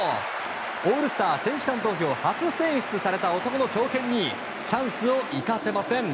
オールスター選手間投票初選出された男の強肩にチャンスを生かせません。